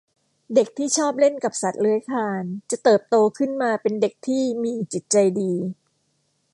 เด็กที่ชอบเล่นกับสัตว์เลื้อยคลาน จะเติบโตขึ้นมาเป็นเด็กที่มีจิตใจดี